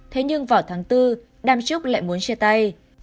thế nhưng vào tháng bốn đam trúc lại muốn chia tay